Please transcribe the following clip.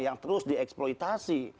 yang terus dieksploitasi